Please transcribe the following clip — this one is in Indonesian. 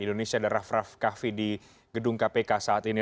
indonesia dan raff raff kahvi di gedung kpk saat ini